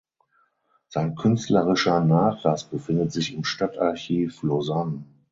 Sein künstlerischer Nachlass befindet sich im Stadtarchiv Lausanne.